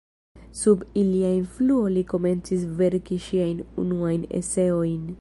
Sub ilia influo li komencis verki siajn unuajn eseojn.